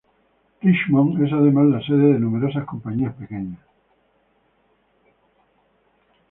Richmond es además la sede de numerosas compañías pequeñas.